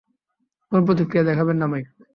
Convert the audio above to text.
কোনো প্রতিক্রিয়া দেখাবেন না, মাইক।